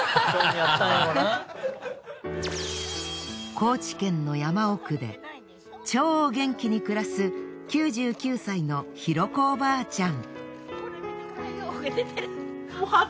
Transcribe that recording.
高知県の山奥で超元気に暮らす９９歳の尋子おばあちゃん。